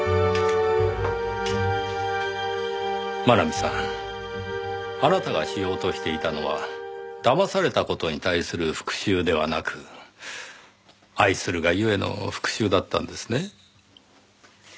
真奈美さんあなたがしようとしていたのはだまされた事に対する復讐ではなく愛するがゆえの復讐だったんですね。